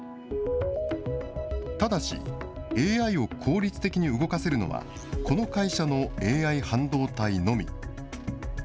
ただし、ＡＩを効率的に動かせるのは、この会社のＡＩ半導体のみ。